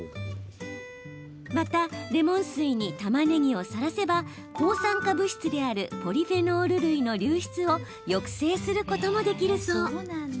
また、レモン水にたまねぎをさらせば抗酸化物質であるポリフェノール類の流出を抑制することもできるそう。